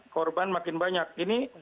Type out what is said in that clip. korban makin banyak ini